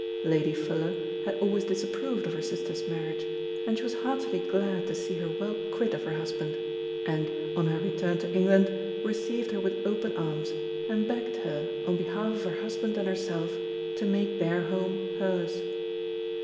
Lady Fuller had always disapproved of her sister's marriage, and she was heartily glad to see her well quit of her husband, and, on her return to England, received her with open arms, and begged her, on behalf of her husband and herself, to make their home hers.